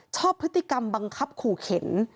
ชอบพฤติกรรมบังคับขู่เข็น